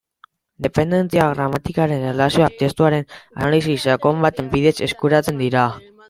Dependentzia gramatikalen erlazioak testuaren analisi sakon baten bidez eskuratzen dira.